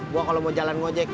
bahwa kalau mau jalan ngojek